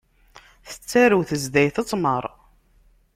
Tettarew tezdayt ttmeṛ.